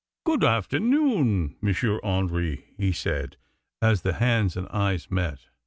"Good afternoon, M. Hendry," he said, as the hands and eyes met.